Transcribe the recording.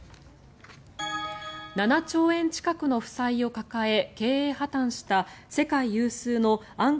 ７兆円近くの負債を抱え経営破たんした世界有数の暗号